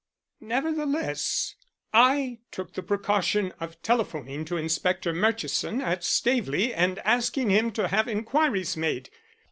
Nevertheless, I took the precaution of telephoning to Inspector Murchison at Staveley and asking him to have inquiries made.